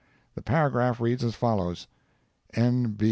The paragraph reads as follows: "N.